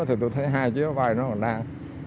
thì tôi thấy hai chiếc máy nó còn đang